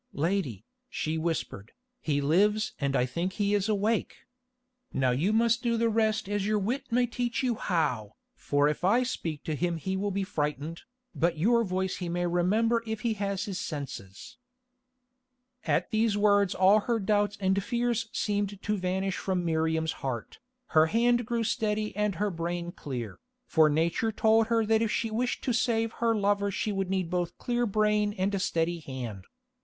"Lady," she whispered, "he lives, and I think he is awake. Now you must do the rest as your wit may teach you how, for if I speak to him he will be frightened, but your voice he may remember if he has his senses." At these words all her doubts and fears seemed to vanish from Miriam's heart, her hand grew steady and her brain clear, for Nature told her that if she wished to save her lover she would need both clear brain and steady hand.